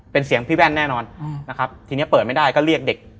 เป็นเสียงพี่แว่นแน่นอนนะครับทีนี้เปิดไม่ได้ก็เรียกเด็ก